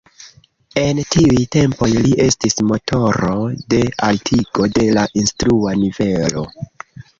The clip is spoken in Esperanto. En tiuj tempoj li estis motoro de altigo de la instrua nivelo.